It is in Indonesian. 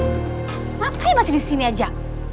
kenapa kalian masih disini aja